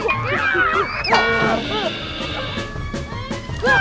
kalo kita di padat